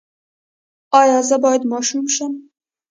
ایا زه باید ماشوم شم؟